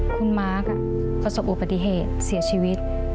คุณมาร์คประสบอุบัติเหตุเสียชีวิต